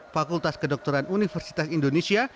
fakultas kedokteran universitas indonesia